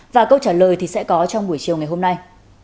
và câu trả lời thì sẽ có trong buổi chiều ngày hôm nay